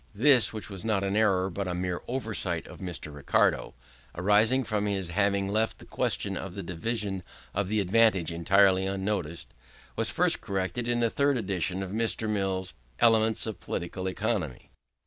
This, which was not an error, but a mere oversight of Mr. Ricardo, arising from his having left the question of the division of the advantage entirely unnoticed, was first corrected in the third edition of Mr. Mill's Elements of Political Economy.